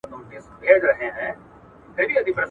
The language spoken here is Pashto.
صنعتي پرمختګ ورو سوی دی.